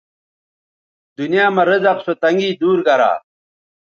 دنیاں مہ رزق سو تنگی دور گرا